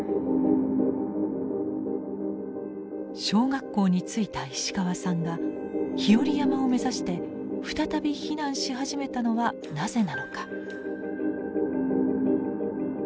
小学校に着いた石川さんが日和山を目指して再び避難し始めたのはなぜなのか。